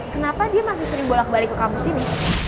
kenapa dia masih sering bolak balik ke kampus ini